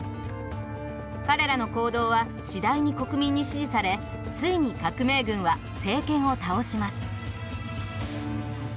彼らの行動は次第に国民に支持されついに革命軍は政権を倒します。